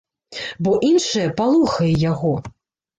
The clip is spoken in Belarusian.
Бо іншае палохае яго.